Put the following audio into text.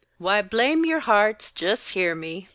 Why, blame your hearts, jest hear me!